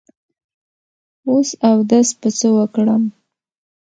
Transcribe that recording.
وس اودس په څۀ وکړم